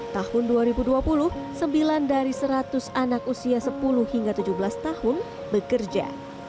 tahun dua ribu dua puluh sembilan dari seratus anak usia sepuluh hingga tujuh belas tahun bekerja